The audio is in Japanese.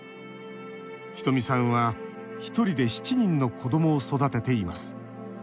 ひとみさんは、１人で７人の子どもを育てています。